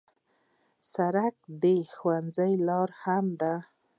سړک د ښوونځي لار هم ده.